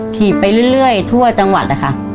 ขี่ไปเรื่อยทั่วจังหวัดนะคะ